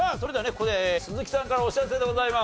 ここで鈴木さんからお知らせでございます。